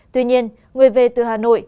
tuy nhiên người về từ hà nội